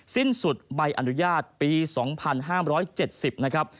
สิ้นสุดใบอนุญาตปี๒๕๗๐นะครับ